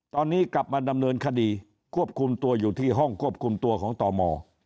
ตอนนี้กลับมาดำเนินคดีควบคุมตัวอยู่ที่ห้องควบคุมตัวของตม